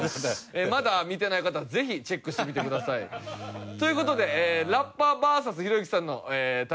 まだ見てない方はぜひチェックしてみてください。という事でラッパーＶＳひろゆきさんの対決。